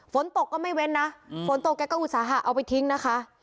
ฝนตกก็ไม่เว้นนะฝนตกแกก็อุตสาหะเอาไปทิ้งนะคะ